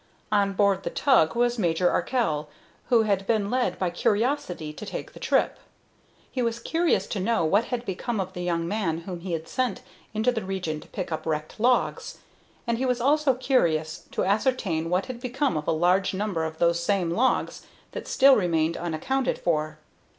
On board the tug was Major Arkell, who had been led by curiosity to take the trip. He was curious to know what had become of the young man whom he had sent into that region to pick up wrecked logs, and he was also curious to ascertain what had become of a large number of those same logs that still remained unaccounted for.